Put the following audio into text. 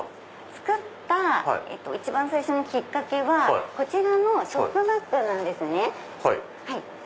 作った一番最初のきっかけはこちらのショップバッグなんですね。